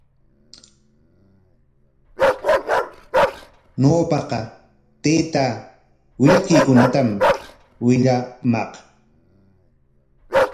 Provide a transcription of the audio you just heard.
Ñawpaqa taytaa willakuykunatami willamaq.